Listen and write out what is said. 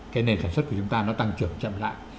cái nền sản xuất của chúng ta nó tăng trưởng chậm lại